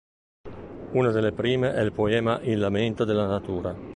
Una delle prime è il poema "Il lamento della natura".